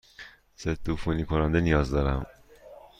ضدعفونی کننده نیاز دارم.